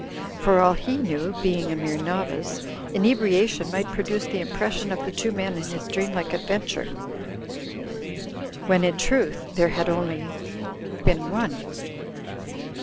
For all he knew (being a mere novice) inebriation might produce the impression of the two men of his dream r like adventure, when in truth there had only been one.